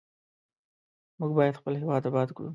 موږ باید خپل هیواد آباد کړو.